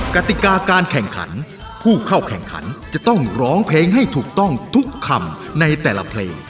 กติกาการแข่งขันผู้เข้าแข่งขันจะต้องร้องเพลงให้ถูกต้องทุกคำในแต่ละเพลง